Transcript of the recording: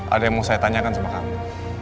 ada yang mau saya tanyakan sama kami